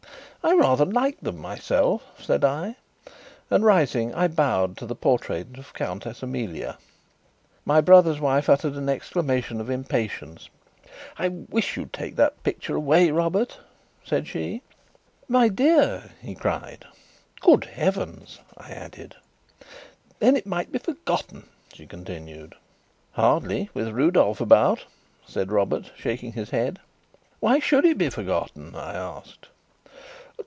"I rather like them myself," said I, and, rising, I bowed to the portrait of Countess Amelia. My brother's wife uttered an exclamation of impatience. "I wish you'd take that picture away, Robert," said she. "My dear!" he cried. "Good heavens!" I added. "Then it might be forgotten," she continued. "Hardly with Rudolf about," said Robert, shaking his head. "Why should it be forgotten?" I asked.